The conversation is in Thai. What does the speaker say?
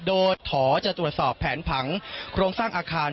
โดยถอจะตรวจสอบแผนผังโครงสร้างอาคาร